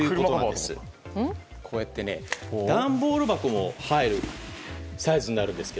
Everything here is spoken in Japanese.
こうやって段ボール箱の入るサイズになるんです。